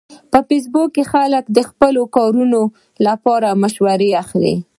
په فېسبوک کې خلک د خپلو کارونو لپاره مشورې اخلي